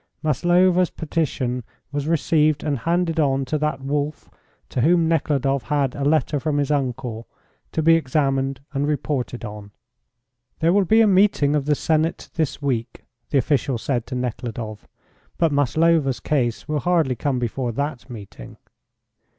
Maslova's petition was received and handed on to that Wolf, to whom Nekhludoff had a letter from his uncle, to be examined and reported on. "There will be a meeting of the Senate this week," the official said to Nekhludoff, "but Maslova's case will hardly come before that meeting."